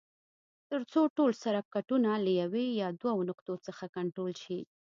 تر څو ټول سرکټونه له یوې یا دوو نقطو څخه کنټرول شي.